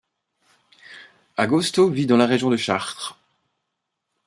Agosto vit dans la région de Chartres.